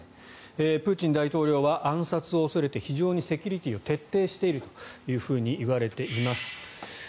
プーチン大統領は暗殺を恐れて非常にセキュリティーを徹底しているといわれています。